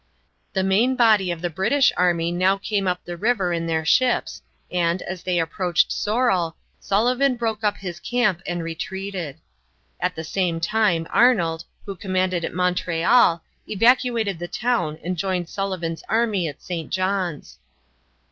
The main body of the British army now came up the river in their ships, and, as they approached Sorrel, Sullivan broke up his camp and retreated. At the same time Arnold, who commanded at Montreal, evacuated the town and joined Sullivan's army at St. John's.